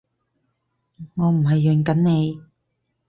我唔係潤緊你